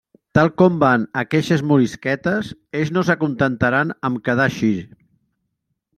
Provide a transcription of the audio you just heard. Tal com van aqueixes morisquetes, ells no s'acontentaran amb quedar així.